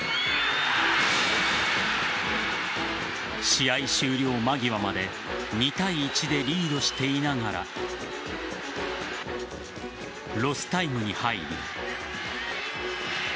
試合終了間際まで２対１でリードしていながらロスタイムに入り。